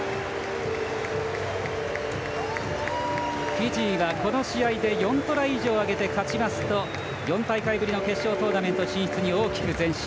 フィジーはこの試合で４トライ以上挙げて勝ちますと４大会ぶりの決勝トーナメント進出に大きく前進。